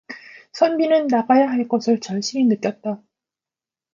선비는 나가야 할 것을 절실히 느꼈다.